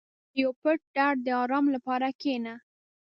• د یو پټ درد د آرام لپاره کښېنه.